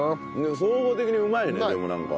総合的にうまいねでもなんか。